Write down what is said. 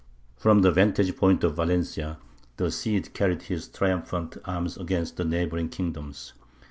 From the vantage post of Valencia the Cid carried his triumphant arms against the neighbouring kingdoms.